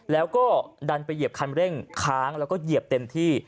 แล้วก็ดันไปเหยียบคันเร่งค้างแล้วก็เหยียบเต็มที่